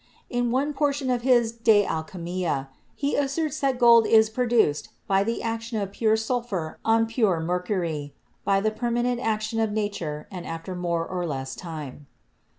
In one portion of his "De Al THE EARLY ALCHEMISTS 35 chymia," he asserts that gold is produced by the action of pure sulphur on pure mercury, by the permanent action of nature and after more or less time.